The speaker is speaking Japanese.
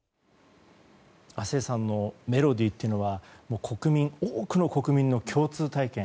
亜星さんのメロディーというのは多くの国民の共通体験。